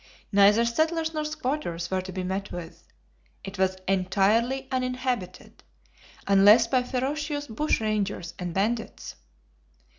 Neither settlers nor squatters were to be met with; it was entirely uninhabited, unless by ferocious bushrangers and bandits.